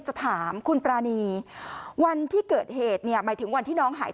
จะถามคุณปรานีวันที่เกิดเหตุเนี่ยหมายถึงวันที่น้องหาย